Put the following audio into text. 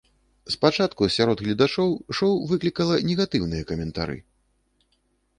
Спачатку сярод гледачоў шоу выклікала негатыўныя каментары.